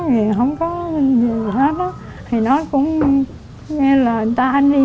không có gì hết